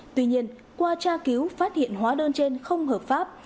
tuy nhiên qua tra cứu phát hiện hóa đơn trên không hợp pháp